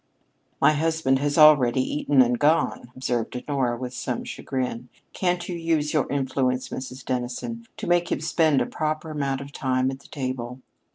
"My husband has already eaten and gone!" observed Honora with some chagrin. "Can't you use your influence, Mrs. Dennison, to make him spend a proper amount of time at the table?"